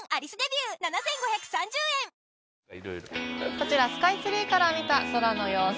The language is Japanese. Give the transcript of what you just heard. こちらスカイツリーから見た空の様子。